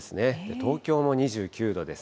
東京も２９度です。